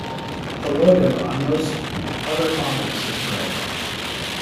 The logo on most other models is red.